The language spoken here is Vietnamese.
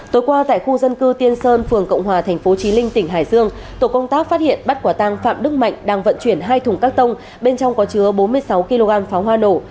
tối qua tại khu dân cư tiên sơn phường cộng hòa thành phố trí linh tỉnh hải dương tổ công tác phát hiện bắt quả tăng phạm đức mạnh đang vận chuyển hai thùng các tông bên trong có chứa bốn mươi sáu kg pháo hoa nổ